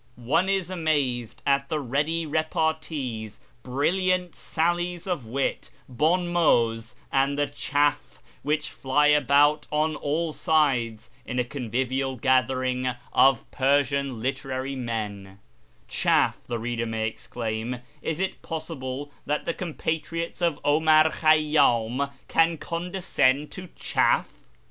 One is amazed at the ready repartees, brilliant sallies of wit, bon mots, and "chaff" which fly about on all sides in a convivial gathering of Persian literary men, "' Chaff,' " the reader may exclaim, " is it possible that the compatriots of 'Omar Khayyam can condescend to 'chaff'